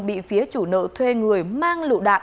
bị phía chủ nợ thuê người mang lựu đạn